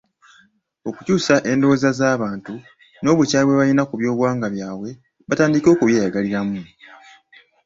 Okukyusa endowooza z’abantu n’obukyayi bwe balina ku byobuwangwa byabwe batandike okubyeyagaliramu.